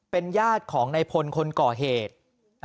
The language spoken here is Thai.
เป็นญาติของในพลคนก่อเหตุ